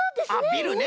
ビルね。